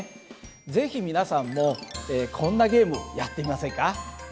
是非皆さんもこんなゲームやってみませんか？